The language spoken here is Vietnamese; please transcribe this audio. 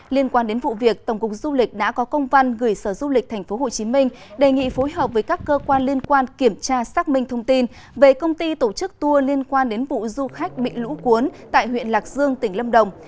liên quan đến vụ việc tổng cục du lịch đã có công văn gửi sở du lịch tp hcm đề nghị phối hợp với các cơ quan liên quan kiểm tra xác minh thông tin về công ty tổ chức tour liên quan đến vụ du khách bị lũ cuốn tại huyện lạc dương tỉnh lâm đồng